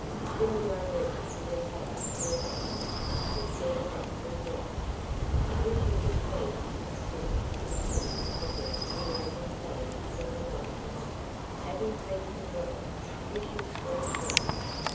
When you are ready to retire, your highness," he said, abruptly rising, "we shall be pleased to consider the Inn of the Hawk and Raven closed for the night. Having feasted well, we should sleep well.